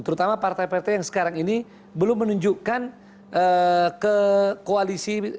terutama partai partai yang sekarang ini belum menunjukkan ke koalisi